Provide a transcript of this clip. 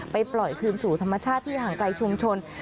ปล่อยคืนสู่ธรรมชาติที่ห่างไกลชุมชน